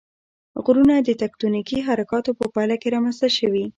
غرونه د تکتونیکي حرکاتو په پایله کې رامنځته شوي.